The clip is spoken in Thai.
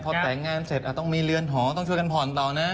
พอแต่งงานเสร็จต้องมีเรือนหอต้องช่วยกันผ่อนต่อนะ